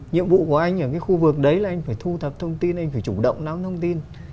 nhiệm vụ của anh ở cái khu vực đấy là anh phải thu thập thông tin anh phải chủ động nắm thông tin